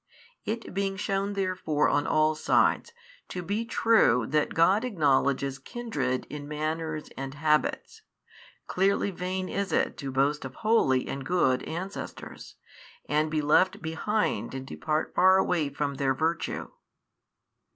It being shewn therefore on all sides to be true that God acknowledges kindred in manners and habits, clearly vain is it to boast of holy and good ancestors, and be left behind and depart far away from their virtue.